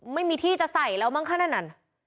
ไม่มีที่จะใส่แล้วมั้งขนาดนั้น